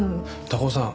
高尾さん